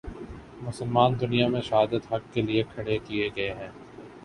مسلمان دنیا میں شہادت حق کے لیے کھڑے کیے گئے ہیں۔